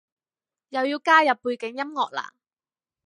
又要加入背景音樂喇？